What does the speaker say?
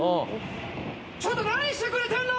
・ちょっと何してくれてんの！